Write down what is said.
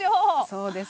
そうです。